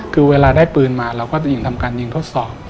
คือเวลาได้ปืนมาเราก็จะยิงทำการยิงทดสอบ